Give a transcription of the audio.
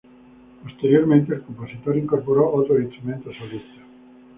Posteriormente, el compositor incorporó otros instrumentos solistas.